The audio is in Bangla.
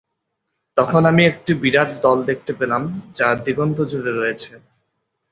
তখন আমি একটি বিরাট দল দেখতে পেলাম যা দিগন্ত জুড়ে রয়েছে।